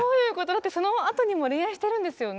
だってそのあとにも恋愛してるんですよね